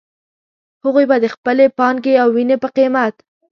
هغوی به د خپلې پانګې او وينې په قيمت.